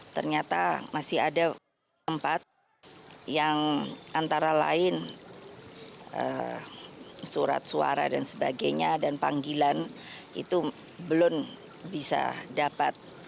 ternyata masih ada tempat yang antara lain surat suara dan sebagainya dan panggilan itu belum bisa dapat